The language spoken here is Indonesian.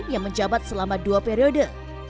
yang menjabat selama dua periode